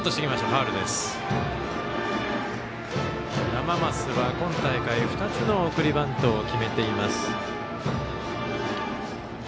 山増は、今大会２つの送りバントを決めています。